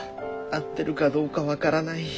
合ってるかどうか分からない。